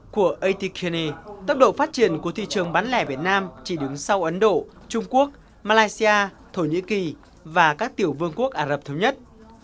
của atikine tốc độ phát triển của thị trường bán lẻ việt nam chỉ đứng sau ấn độ trung quốc malaysia thổ nhĩ kỳ và các tiểu vương quốc ả rập thống nhất